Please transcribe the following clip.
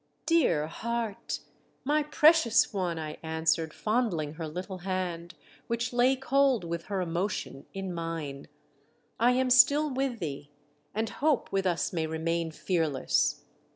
"Dear heart! My precious one!" I answered, fondling her little hand, which lay cold with her emotion, in mine, " I am still with thee, and hope with us may remain fearless.